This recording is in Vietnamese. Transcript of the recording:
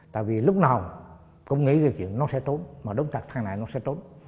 tại vì lúc nào cũng nghĩ ra chuyện nó sẽ trốn mà đống tạc thang nại nó sẽ trốn